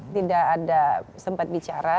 tidak ada sempat bicara